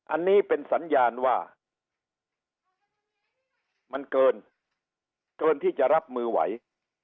อันนี้เป็นสัญญาณว่ามันเกินที่จะรับมือไหว